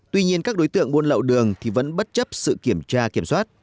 tuy nhiên các đối tượng buôn lậu đường thì vẫn bất chấp sự kiểm tra kiểm soát